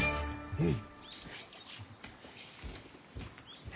うん！